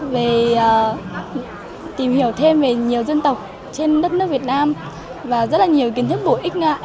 về tìm hiểu thêm về nhiều dân tộc trên đất nước việt nam và rất là nhiều kiến thức bổ ích